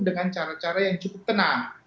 dengan cara cara yang cukup tenang